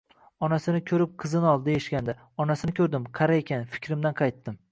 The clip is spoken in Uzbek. Onasini ko'rib qizini ol! deyishgandi. Onasini ko'rdim - qari ekan, fikrimdan qaytdim.